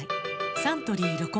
サントリー「ロコモア」